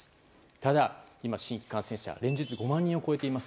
ただ、今、新規感染者連日５万人を超えています。